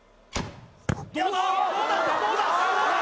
どうだどうだどうだ！